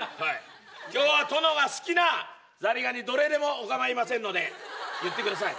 今日は殿が好きなザリガニどれでも構いませんので言ってください。